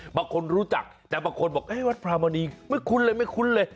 บางคนรู้จักแต่บางคนบอกวัดพระมณีไม่คุ้นเลยไม่คุ้นเลย